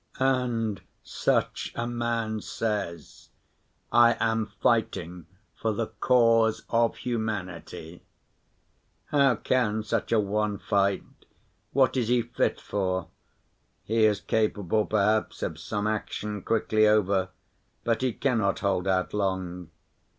And such a man says, "I am fighting for the cause of humanity." How can such a one fight? what is he fit for? He is capable perhaps of some action quickly over, but he cannot hold out long.